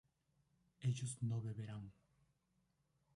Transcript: ellos no beberán